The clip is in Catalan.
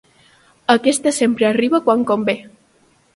Aquesta sempre arriba quan convé.